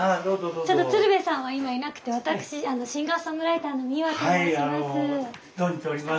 ちょっと鶴瓶さんは今いなくて私シンガーソングライターのはいあの存じております。